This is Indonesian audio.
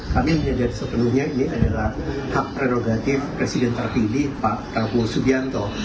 kami menyadar sepenuhnya ini adalah hak prerogatif presiden terpilih pak prabowo subianto